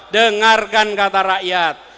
dengarkan kata rakyat